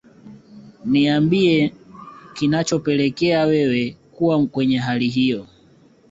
niambie kinachopelekea wewe kuwa kwenye hali hiyo